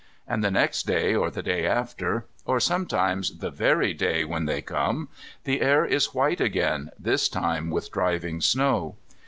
And the next day or the day after, or sometimes the very day when they come, the air is white again, this time with driving snow.